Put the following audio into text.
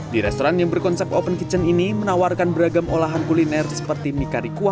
di restoran yang berkonsep open kitchen ini menawarkan beragam olahan kuliner seperti mie karikua